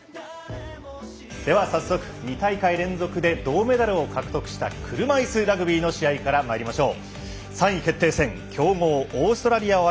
では、早速２大会連続で銅メダルを獲得した車いすラグビーの試合からまいりましょう。